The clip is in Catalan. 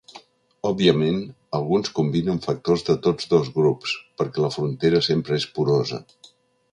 Òbviament, alguns combinen factors de tots dos grups, perquè la frontera sempre és porosa.